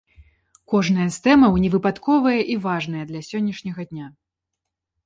Кожная з тэмаў невыпадковая і важная для сённяшняй дня.